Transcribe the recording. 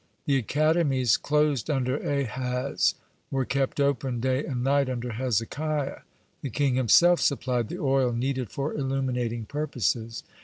The academies closed under Ahaz were kept open day and night under Hezekiah. The king himself supplied the oil needed for illuminating purposes.